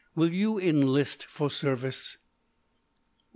Will you enlist for service?"